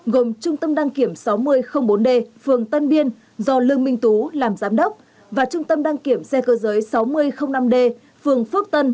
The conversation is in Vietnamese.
gồm trung tâm đăng kiểm sáu nghìn bốn d phường tân biên do lương minh tú làm giám đốc và trung tâm đăng kiểm xe cơ giới sáu nghìn năm d phường phước tân